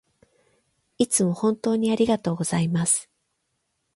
いつも本当にありがとうございます